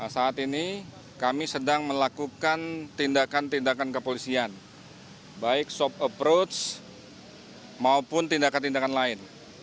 saat ini kami sedang melakukan tindakan tindakan kepolisian baik soft approach maupun tindakan tindakan lain